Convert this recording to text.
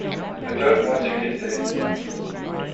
I don’t want to get there.